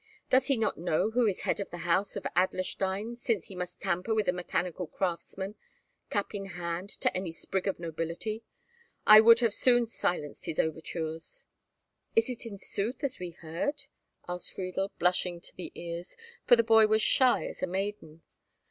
Does he not know who is head of the house of Adlerstein, since he must tamper with a mechanical craftsman, cap in hand to any sprig of nobility! I would have soon silenced his overtures!" "Is it in sooth as we heard?" asked Friedel, blushing to the ears, for the boy was shy as a maiden.